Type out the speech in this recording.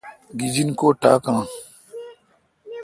گیجن کو ٹا کان۔